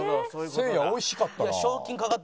せいやおいしかったな。